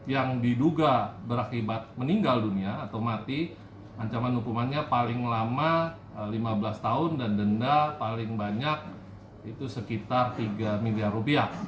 yang diduga berakibat meninggal dunia atau mati ancaman hukumannya paling lama lima belas tahun dan denda paling banyak itu sekitar tiga miliar rupiah